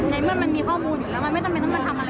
เมื่อมันมีข้อมูลอยู่แล้วมันไม่จำเป็นต้องมาทำอะไร